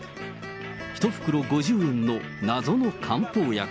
１袋５０円の謎の漢方薬。